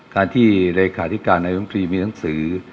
การที่เลขาธิการนายมตรีมีหนังสือ